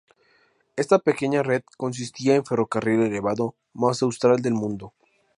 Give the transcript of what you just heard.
Esta pequeña red consistía el ferrocarril elevado más austral del Mundo.